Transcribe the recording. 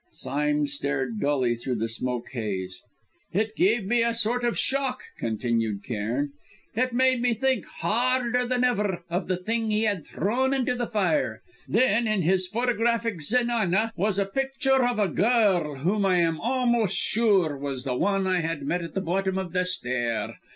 Sime stared dully through the smoke haze. "It gave me a sort of shock," continued Cairn. "It made me think, harder than ever, of the thing he had thrown in the fire. Then, in his photographic zenana, was a picture of a girl whom I am almost sure was the one I had met at the bottom of the stair.